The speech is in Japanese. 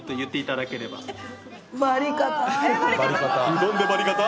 うどんでバリ硬？